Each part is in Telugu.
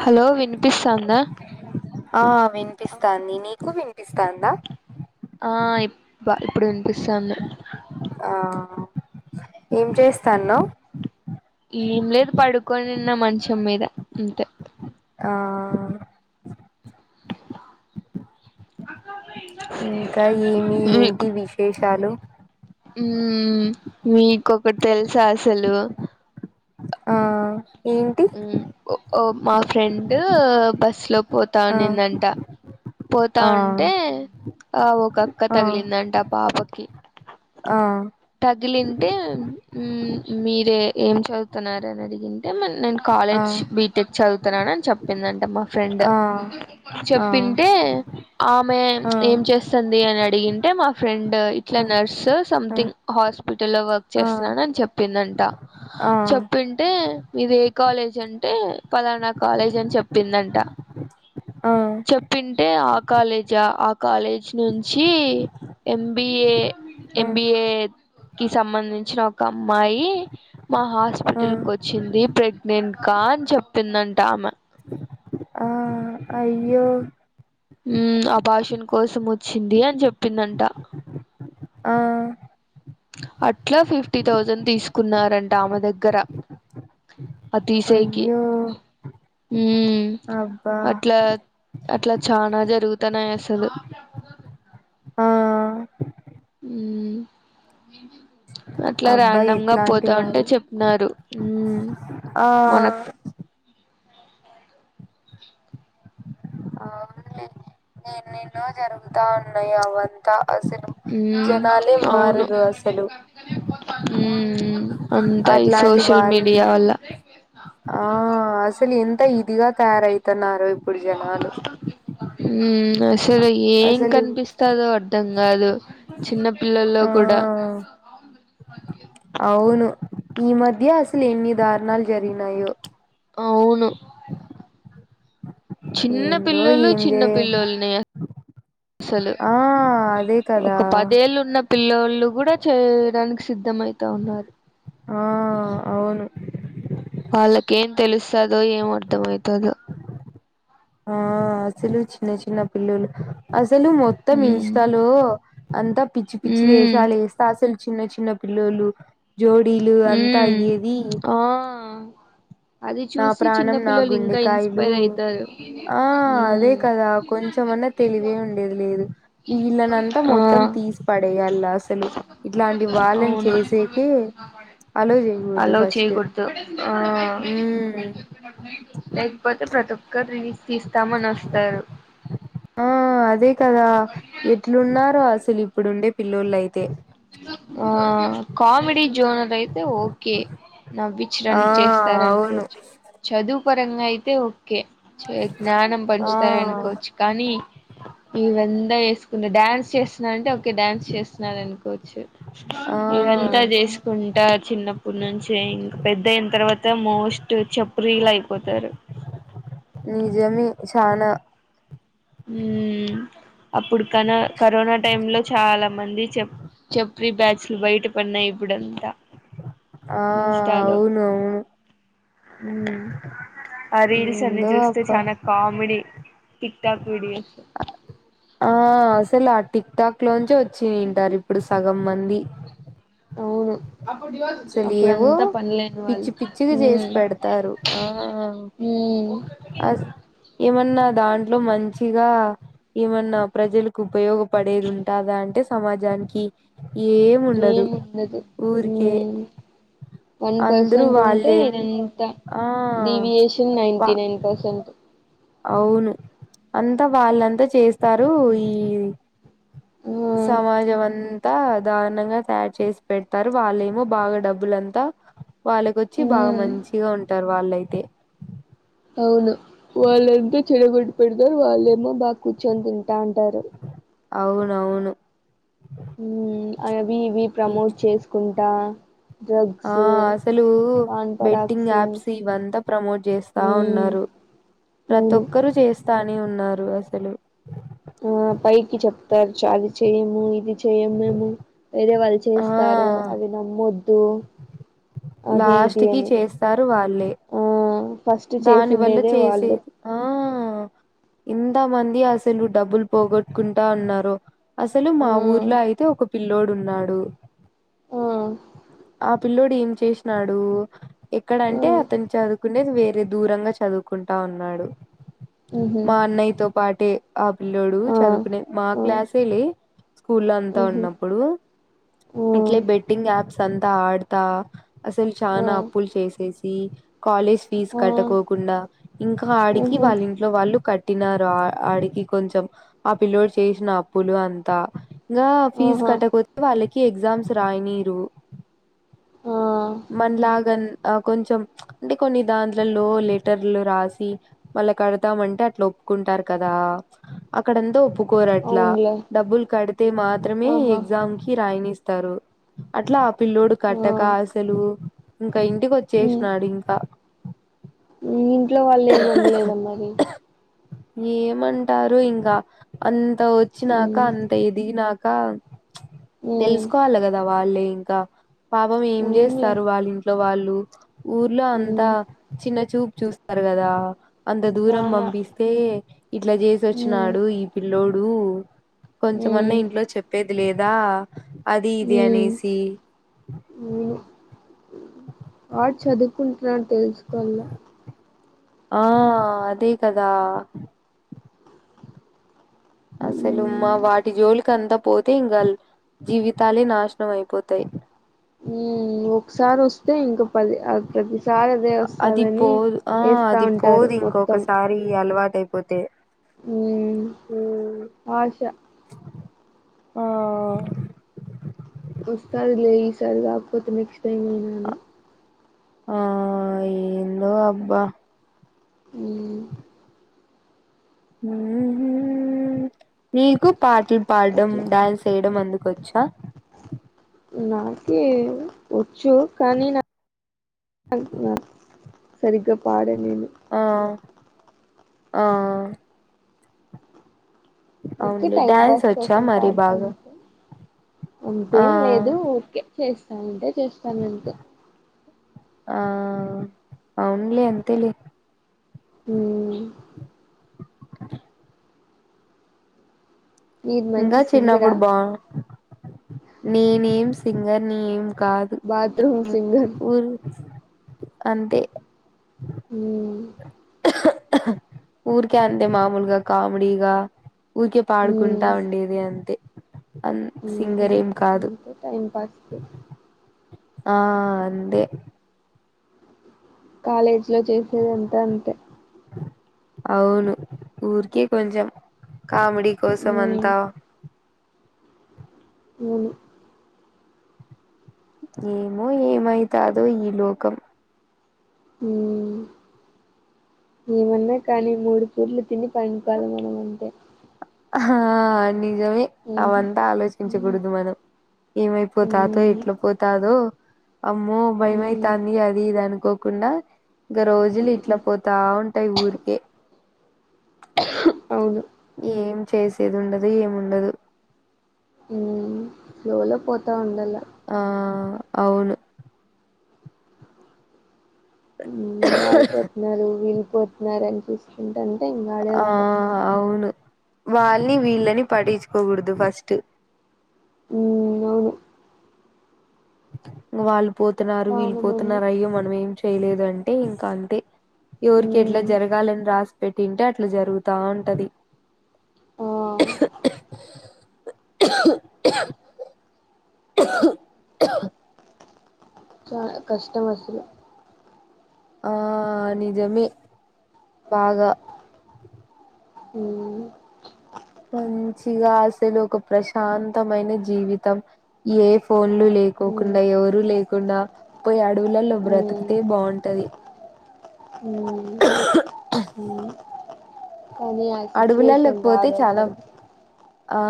హలో వినిపిస్తాందా ఆ వినిపిస్తాంది నీకు వినిప్ పిస్తాందా ఆ ఇ బా ఇప్పుడు వినిపిస్తంది ఆ ఏం చేస్తానవ్ కొనిన్న మంచం మీద అంతే ఆ ఇంకా ఏమి ఏంటి విశేషాలు ఉ మీకొకటి తెలుసా అసలు ఆ ఏంటి ఓ ఓ మా ఫ్రెండ్ బస్ లో ఆ పోతానిందంట పోతా ఆ ఉంటే ఆ ఒక అక్క ఆ తగిలిందంట ఆ పాపకి ఆ తగిలింటే ఊ మీరే ఏం చదువుతున్నరు అని అడిగింటే మ నేను ఆ ఆ కాలేజ్ బీటెక్ చదువుతున్నాను అని చెప్పిందంటబ్బ ఫ్రెండ్ ఆ ఆ ఆ చెప్పింటే ఆమె ఆ ప్చ్ ఏం చేస్తంది అని డిగింటే మా ఫ్రెండ్ ఇట్లా నర్స్ ఓ సంథింగ్ హాస్పిటల్ లో వర్క్ చేస్తున్నాను అని చెప్ చెప్పిందంట ఆ ఆ చెప్పింటే మీదే కాలేజ్ అంటే ఫలానా కాలేజ్ అని చెప్పిందంట చెప్పింటే ఆ కాలేజా ఆ కాలేజ్ నుంచి ఎంబిఏ ఎంబిఏ కి సంబంధించిన ఒక అమ్మాయి మా ఆ హాస్పిటల్ కు వచ్చింది ప్రెగ్నెంట్గా ఆ అని చెప్పిందంట ఆమ ఆ అయ్యో ఊ అబాషన్ కోసం వచ్చింది అని చెప్పిందంట ఆ అట్లా ఫిఫ్టీ థౌజండ్ తీసుకున్నారంట ఆమె దగ్గర ఆ తీసేకి అయ్యో ఊ అబ్బా అట్లా చానా జరుగుతున్నాయి అసలు ఆ ఊ అట్లా అబ్బా ర్యాండమ్ గా ఇట్లాంటి పోతా ఉంటే వాళ్ళు చెప్పిన్నారు ఉమ్మ్ ఆ ఎన్నో జరుగుతా ఉన్నాయి అవంతా అసలు ఊ జనాలే అవును మారరు అసలు ఉమ్ ఉమ్ అట్లాంటి వాళ్ళు ఆ అసలు ఎంత ఇ దిగాకారయితున్నారు ఇప్పుడు జనాలు ఊ అసలు ఏం అసలు కనిపిస్తాదో అర్ధం కాదు చిన్న పిల్లల్లో ఆ కూడా అవును ఈ మధ్య అసలు ఎన్ని దారుణాలు జరిగినాయో అవును చిన్న ఏందో పిల్లోలు ఏం చిన్న జే పిల్లల్ని అసలు ఆ అదే కదా ఒక పదేళ్ళు ఉన్న పిల్లలు కూడా చేయడానికి సిద్ధమయిత ఉన్నారు ఆ అవును అలకు ఏం తెలుస్తాదో ఏం అర్ధం అయితాదో ఆ అసలు చిన్న చిన్న పిల్లులు అసలు మొత్తం ఉమ్ ఇన్స్టాలో అంతా పిచ్చి పిచ్చి ఉమ్ వేషాలు వేస్తా అసలు చిన్న చిన్న పిల్లోలు జోడీలు అంతా ఉమ్ అయ్యేది ఆ అది నా చూసి ప్రాణం నా చిన్నపిల్లలు ఇంకా గుండెకాయలు ఇన్స్పైర్ అయితారు ఆ అదే ఉమ్ కదా కొంచెం ఏమన్నా తెలివే ఉండేది లేదు వీళ్ళనంతా ఆ మొత్తం తీసి పడేయలా అసలు ఇట్లా ఇలాంటి వాళ్లన్ చేసేకి అలో చేయకూడదు అల్లో ఫస్ట్ చేయకూడదు ఆ ఉమ్ లేకపోతే ప్రతోక్కరు రీల్స్ తీస్తామని వస్తారు ఆ అదే కదా ఎట్లున్నారో అసలు ఇప్పుడుండే పిల్లోలు అయితే ఆ కామెడీ జోనర్ అయితే ఓకే ఆ నవ్వించడానికి అవును చేస్తారనుకోవచ్చు చదువు పరంగా అయితే ఓకే చే జ్ఞానం ఆ పంచుతారు అనుకోవచ్చు కానీ ఈ దం ద ఏసుకుంటే డ్యాన్స్ చేస్తున్నాంటే ఓకే డ్యాన్స్ చేస్తున్నా అనుకోవచ్చు ఆ ఇదంతా చేసుకుంటా చిన్న ఇప్పుడు నుంచే ఇంకా పెద్ద అయిన తర్వాత మోస్ట్ చెప్రీలయిపోతారు నిజమే చానా ఉమ్మ్ అప్పుడు కన కరోనా టైమ్ లో చాలా మంది చెప్ చెప్రి బ్యాచ్చేలు బయట పడినాయి ఇప్పుడు అంతా ఆ అవును ఉమ్ ఆ రీల్స్లు అన్ని ఏందో చూస్తే అబ్బా చానా కామెడీ టిక్ టాక్ వీడియోసు ఆ అసలు ఆ టిక్ టాక్ లోంచి వచ్చింటారు ఇప్పుడు సగం మంది అవును అసలు అప్పుడు ఏవో అంతా పనలేని వాళ్ళు పిచ్చి పిచ్చిగా చేసి పెడతారు ఆ ఊ ఉమ్ అస్ ఏమన్నా దాంట్లో మంచి ఇగా ఏమన్నా ప్రజలకి ఉపయోగపడేది ఉంటాదా అంటే సమాజానికి ఏం ఉండదు ఊరికే వన్ అందరూ పర్సెంట్ ఉంటే వాళ్ళేం ఇగ ఇంక ఆ డివియేషన్ వా నైన్టీ నైన్ పర్సెంట్ అవును అంతా వాళ్ళంతా చేస్తారు ఈ ఆ సమాజం అం అంత దారుణంగా తయారు చేసి పెడతారు వాళ్ళేమో బాగా డబ్బులంతా వాళ్ళకొచ్చి బాగా ఉమ్ మంచిగా ఉంటారు వాళ్లు అయితే. అవును వాళ్ళంతా చెడగొట్టు పెడతారు వాళ్ళేమో బాగా కూర్చొని తింటా ఉంటారు. అవునవును. అవి ఇవి ప్రమోట్ చేసుకుంటా. డ్రగ్స్ ఆహ్ అసలు పాన్ బెట్టింగ్ పరాక్స్ యాప్స్ ఇవంతా ప్రమోట్ చేస్తా మ్మ్ ఉన్నారు. ప్రతి అవును ఒక్కరు చేస్తానే ఉన్నారు అసలు. చ అది చేయ్యము ఇది చెయ్యం మేము వేరే వాళ్ళు ఆ చేస్తారు అవి నమ్మొద్దు. ద్దు. లాస్ట్ కి చేస్తారు వాళ్ళే. ఆ ఫస్ట్ దాని వల్ల చేసిండేదే వాళ్ళు చేసేది ఆహ్. ఇంత మంది అసలు డబ్బులు పోగొట్టుకుంటా ఉన్నారు. అసలు మా ఆ ఊర్లో అయితే ఒక పిల్లోడు ఉన్నాడు ఆ ఆ పిల్లోడ్. డిం ఏం చేష్నాడు ఆ ఎక్కడంటే అతను చదుక్. కునేది వేరే దూరంగా చదువుకుంటా ఉన్నాడు. మ్హ్ మా అన్నయ్యతో పాటే ఆ పిల్లోడు ఆ చదువుకునేది మా ఆ క్లాసేలే. స్కూల్ లో అంతా మ్హ్ ఉన్నప్పుడు ఆ ఇట్లే బెట్టింగ్ యాప్స్. సంత ఆడతా అసలు ఆ చానా అప్పులు చేసేసి. కాలేజ్ ఫీజ్ ఆ కట్టకోకుండా ఇంకా ఆడికి మ్హ్ వాళ్ళ ఇంట్లో వాళ్ళు. కట్టినారు ఆహ్ ఆడికి కొంచెం ఆ పిల్లోడు చేసిన అప్పులు అంతా. ఇంగా ఫీజు ఆహా కట్టపోతే వాళ్ళకి ఎగ్జామ్స్ రాయనీరు. ఆ మన్లాగన్. ఆహ్ కొంచెం అంటే కొన్ని దాంట్లల్లో లెటర్లు రాసి మళ్ళ కడతామ్ అంటే అట్లా ఓప్. కుంటారు కదా అక్కడంతా ఒప్పుకోరు అది. అట్లా అవునులే డబ్బులు కడితే మాత్రమే ఆహా ఎగ్జామ్ కి రాయానిస్తారు అట్లా. పిల్లోడు ఆ కట్టాకాస్. ఉమ్ ఇంకా ఇంటికి మ్ వచ్చేష్నాడు ఇంకా. మీ ఇంట్లో వాళ్ళు ఏం అన్లేదా మరి. ఏం అంటారో ఇంగ అంత వొచ్చినక మ్ అంత ఎదిగినాక. ఇంకా ప్చ్ ఉమ్ తెలుసుకోవాలి గదా వాళ్ళే ఇంకా పాపం ఏం. అవునులే చేస్తారు వాళ్ళ ఇంట్లో వాళ్ళు ఊర్లో అంతా ఉమ్ చిన్న చూపు చూస్. ఉన్నారు గదా అంత దూరం చానా పంపిస్తే ఇట్లా చేసి ఉమ్ వొచ్చినాడు ఈ పిల్లోడ్. కొంచెమన్నా ఉమ్ ఇంట్లో చెప్పేది లేదా అది ఇది అనేసి. మ్మ్ ఆ చదువుకుంటున్నాడు తెలుసుకోల్ల ఆ అదే కదా అస్సలు మా ఉమ్ వాటి జోలికి అంతా పోతే ఇంగా ల్ జీవితాలే నాశనం అయిపోతాయి ఉ ఒకసారి వొస్తే ఇంకా పది అదే ప్రతిసారి అదే అ అది వస్తాదని పోదు ఆ ఏస్తా అది ఉంటారు పోదు ఇంకొకసారి అలవాటు అయిపోతే ఉ ఆష ఆ వస్తాది లే ఈసారి కాకపోతే నెక్స్ట్ టైం అన్నాను ఆ ఏందో అబ్బా ఉ నీకు పాటలు పాడ్డం అట్లా డాన్స్ చేయడం అందుకు కొచ్చా నాకే వొచ్చు కానీ నా [inaudible] న సరిగ్గా పడడం అ ఆ ఊరికే అవునులే టైమ్ డ్యాన్స్ పాస్ వచ్చా కోసం మరి పడ్తా బాగా అంతే ఆ అంతేం లేదు ఓకే చేస్తానంటే చేస్థానంతే ఆ అవునులే అంతేలే మ్మ్ మీరు ఇంగ మంచి సింగరా చిన్నప్పుడు బా నేనేం సింగర్ నీ ఏం కాదు బాత్రూమ్ సింగర్ ఊరు అంతే మ్మ్ ఊరె అంది మామూలుగా కామిడిగా ఊరికే మ్మ్ పాడుకుంటా ఉండేది అంతే అన్ మ్మ్ సింగరేం కాదు అంతే టైం పాస్ కి ఆ అందే కాలేజీలో చేసేది అంత అంతే అవును ఊరికే కొంచెం కామీడీ కోసం మ్మ్ అంతా అవును ఏమో ఏమైతాదో ఈ లోకం న్నా కానీ మూడు పూట్లు తిని పండుకోవాలె మనం అంతే ఆహా అండీ నిజమే మ్మ్ అవంతా ఆలోచించకూడదు మనం ఏమైపోతాదో మ్మ్ ఎట్లా పోతాదో అమ్మో మ్మ్ భయమైతుంది అది ఇది అనుకోకుండా ఇగా రోజులు మ్మ్ ఇట్లా పోతా ఉం టె ఊర్కే అవును ఏం చేసేది ఉండదు ఏమిండదు మ్మ్ ఫ్లో లో పోత్ ఆ అవును ఊ వాళ్ళు పోతున్నారు వీళ్ళుపోతున్నారు అని చూస్ ఆ అవును వాళ్ళని వీళ్ళని పటించుకోకూడదు ఫస్ట్ ఉమ్ అవును ఇగ వాళ్ళు పోతున్నారు వీళ్ళు చాలా మంది పోతున్నారు అయ్యో మనం ఏం చేయలేదంటే ఇంకా అంతే ఎవరికి ఎట్లా మ్మ్, జరగాలని రాసి పెట్టింటే అట్లా జరుగుతా ఉంటది ఆ, చ కష్టం అసలు ఆ నిజమే బాగా మ్మ్, మంచిగా అసలు ఒక ప్రశాంతమైన జీవితం ఏ ఫోన్లు లే మ్మ్, లేకోకుండా ఎవరూ లేకుండా పోయి అడవులలో మ్మ్, బ్రతికితే బాగుంటది మ్మ్, మ్మ్. కానీ ఆ అడవులలకు సిచ్యువేషన్ పోతే రాదు చాలా అసలు ఆ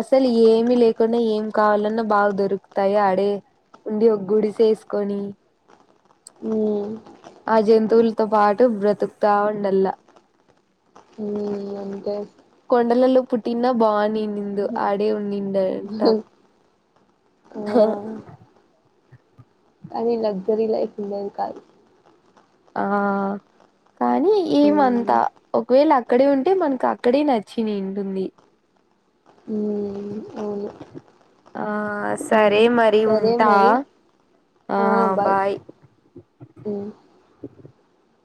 అసలు ఏమి లేకుండా ఏమి కావాలన్నా బాగా దొరుకుతాయి ఆడి ఉండి ఒక గుడిసేసుకొని మ్మ్, ఆ జంతువులతో పాటు బ్రతుకుతా ఉండల్లా ఈ అంతే కొండలలో పుట్టిన బానినిందు ఆడే ఉండిడంట ఆ, అవి లగ్జరీ లైఫ్ ఉండదు కాదు ఆ కానీ మ్మ్, ఏమంతా ఒకవేళ అ అక్కడే ఉంటే మనకు అక్కడే నచ్చింది ఉంటుంది మ్మ్, అవును ఆ సర్ మ్మ్. మరి సరే ఉంటా మరి ఆ బాయ్ మ్మ్.